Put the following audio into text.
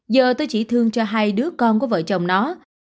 giờ tôi chỉ thương cho hai đứa con của vợ chồng nó